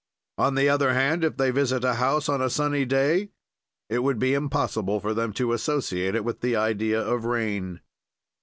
"On the other hand, if they visit a house on a sunny day, it would be impossible for them to associate it with the idea of rain.